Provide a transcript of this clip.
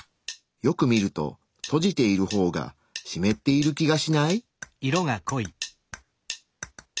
よく見ると閉じている方がしめっている気がしない？